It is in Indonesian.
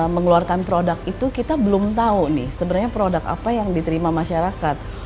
mengeluarkan produk itu kita belum tahu nih sebenarnya produk apa yang diterima masyarakat